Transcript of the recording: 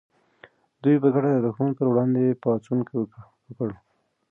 دوی په ګډه د دښمن پر وړاندې پاڅون وکړ.